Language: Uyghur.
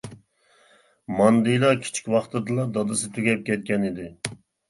ماندىلا كىچىك ۋاقتىدىلا دادىسى تۈگەپ كەتكەن ئىدى.